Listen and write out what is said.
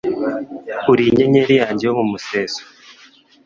Uri inyenyeri yanjye yo mumuseso